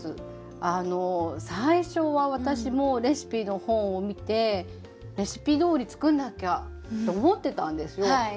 あの最初は私もレシピの本を見てレシピどおり作んなきゃと思ってたんですよ。